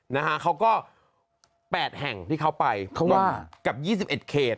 นะฮะเขาก็๘แห่งที่เขาไปเพราะว่ากับ๒๑เขต